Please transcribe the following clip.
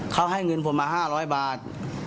เขาให้เงินผมมา๕๐๐บาท